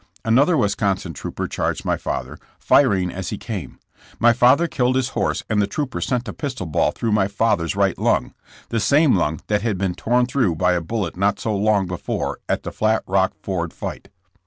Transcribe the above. Another Wisconsin trooper charged my father, firing as he came. My father killed his horse and the trooper sent a pistol ball through my father 's right lung, the same lung that had been torn through by a bullet not so long before at the Flat Rock Ford fight.